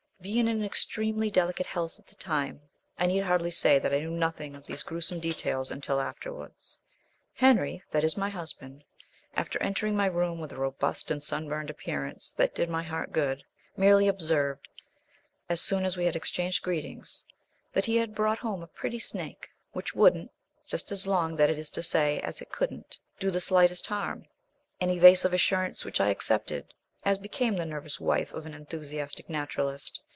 Being in extremely delicate health at the time, I need hardly say that I knew nothing of these gruesome details until afterwards. Henry (that is my husband), after entering my room with a robust and sunburned appearance that did my heart good, merely observed as soon as we had exchanged greetings that he had brought home a pretty snake which "wouldn't (just as long, that is to say, as it couldn't) do the slightest harm," an evasive assurance which I accepted as became the nervous wife of an enthusiastic naturalist.